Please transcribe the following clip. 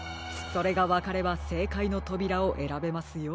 それがわかればせいかいのとびらをえらべますよ。